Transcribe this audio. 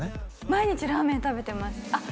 毎日ラーメン食べてますあっ